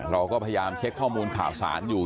เราก็พยายามเช็คข้อมูลข่าวสารอยู่